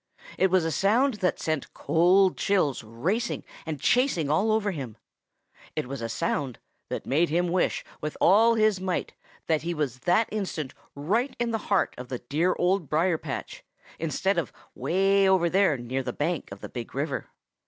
It was a sound that sent cold chills racing and chasing all over him. It was a sound that made him wish with all his might that he was that instant right in the heart of the dear Old Briar patch instead of way over there near the bank of the Big River.